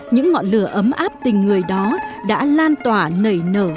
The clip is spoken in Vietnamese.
những ngọn lửa ấm áp tình người đó đã lan tỏa nảy nở